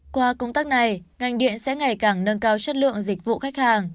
qua công tác này ngành điện sẽ ngày càng nâng cao chất lượng dịch vụ khách hàng